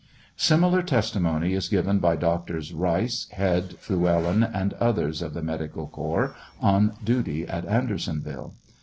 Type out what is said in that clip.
Similar testimony is given by Doctors Rice, Head, Flewellen, and others of the medical corps on duty at Andersonville.